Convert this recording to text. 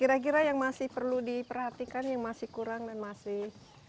kira kira yang masih perlu diperhatikan yang masih kurang dan masih